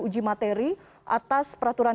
uji materi atas peraturan